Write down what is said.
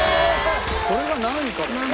それが何位かだよ。